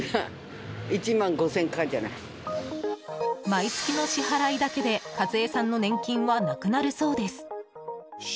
毎月の支払いだけで和恵さんの年金はなくなるそうです。